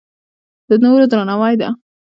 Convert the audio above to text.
د نورو درناوی ده.